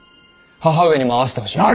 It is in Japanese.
母上にも会わせてほしい。